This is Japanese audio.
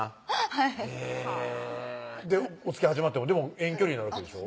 はいへぇおつきあい始まってでも遠距離なわけでしょ？